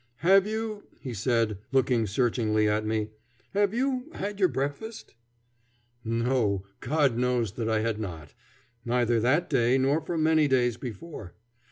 "Have you," he said, looking searchingly at me, "have you had your breakfast?" No, God knows that I had not: neither that day nor for many days before.